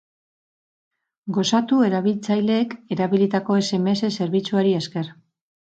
Gozatu erabiltzaileek erabilitako sms zerbitzuari esker.